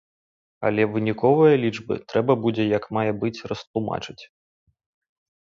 Але выніковыя лічбы трэба будзе як мае быць растлумачыць.